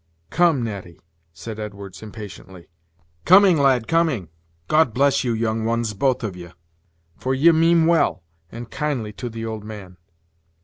"Come, Natty," said Edwards, impatiently. "Coming, lad, coming. God bless you, young ones, both of ye, for ye mean well and kindly to the old man."